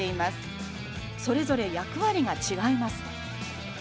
それぞれ役割が違います。